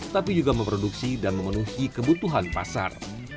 tapi juga memproduksi dan memenuhi kebutuhan pasar